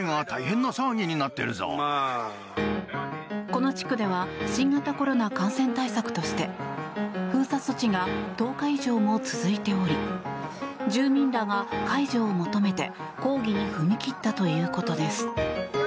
この地区では新型コロナ感染対策として封鎖措置が１０日以上も続いており住民らが解除を求めて、抗議に踏み切ったということです。